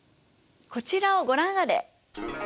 こちらをご覧あれ。